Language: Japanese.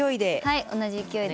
はい同じ勢いで。